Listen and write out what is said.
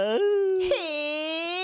へえ！